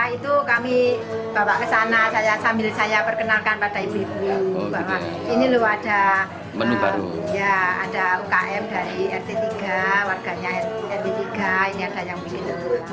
itu kami bawa ke sana sambil saya perkenalkan pada ibu ibu bahwa ini loh ada ukm dari rt tiga warganya rt tiga ini ada yang begitu